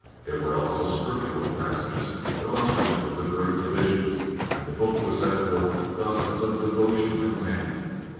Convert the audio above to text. There were also scriptural passages illustrative of the great divisions, and the book was set forth thus as a devotional companion.